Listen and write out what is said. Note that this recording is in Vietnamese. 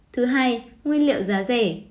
thứ hai nguyên liệu giá rẻ